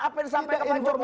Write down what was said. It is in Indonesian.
apa yang sampai ke pancuk